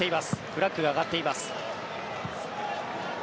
フラッグが上がっています。